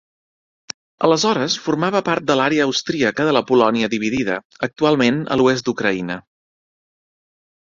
Aleshores formava part de l'àrea austríaca de la Polònia dividida, actualment a l'oest d'Ucraïna.